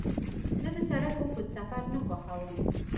زه د سړک اوږد سفر نه خوښوم.